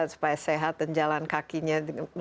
supaya sehat dan jalan kakinya